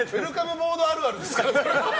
ボードあるあるですから。